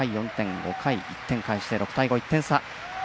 ５回１点返して６対５で１点差。